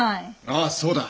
ああそうだ。